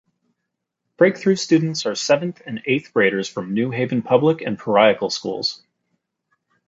Breakthrough students are seventh and eighth graders from New Haven public and parochial schools.